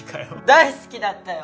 大好きだったよ！